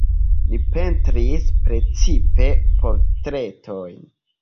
Li pentris precipe portretojn.